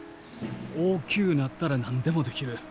大きゅうなったら何でもできる。